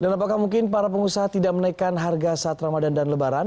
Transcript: dan apakah mungkin para pengusaha tidak menaikkan harga saat ramadan dan lebaran